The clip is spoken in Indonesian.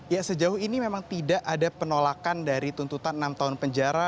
ya sejauh ini memang tidak ada penolakan dari tuntutan enam tahun penjara